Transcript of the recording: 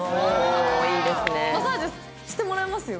マッサージしてもらえますよ。